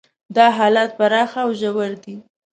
دا حالات پراخ او ژور دي.